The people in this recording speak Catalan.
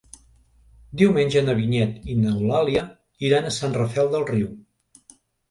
Diumenge na Vinyet i n'Eulàlia iran a Sant Rafel del Riu.